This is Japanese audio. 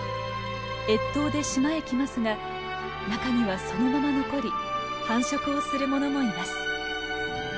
越冬で島へ来ますが中にはそのまま残り繁殖をするものもいます。